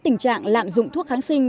tình trạng lạm dụng thuốc kháng sinh